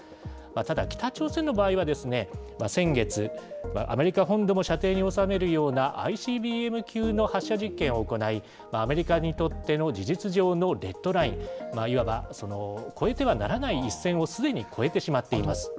ただ北朝鮮の場合は、先月、アメリカ本土も射程に収めるようなＩＣＢＭ級の発射実験を行い、アメリカにとっての事実上のレッドライン、いわば越えてはならない一線をすでに越えてしまっています。